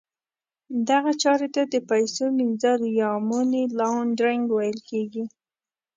دغه چارې ته د پیسو پریمینځل یا Money Laundering ویل کیږي.